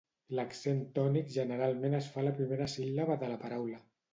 L'accent tònic generalment es fa a la primera síl·laba de la paraula.